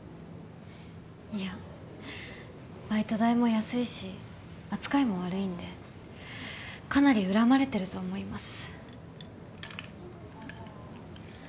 いやバイト代も安いし扱いも悪いんでかなり恨まれてると思います。